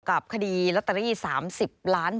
คดีลอตเตอรี่๓๐ล้านบาท